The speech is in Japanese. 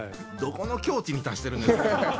どこの境地に達してるんです？